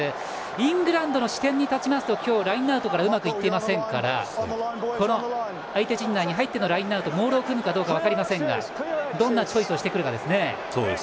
イングランドの視点に立ちますと今日、ラインアウトからうまくいっていませんからこの相手陣内に入ってのラインアウトモールを組むかどうか分かりませんが。